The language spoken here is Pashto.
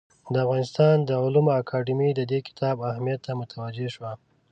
د افغانستان علومو اکاډمي د دې کتاب اهمیت ته متوجه شوه.